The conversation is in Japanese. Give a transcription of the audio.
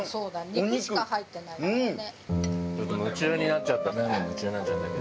肉しか入ってないからね。